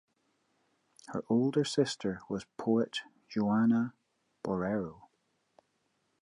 Her older sister was the poet Juana Borrero.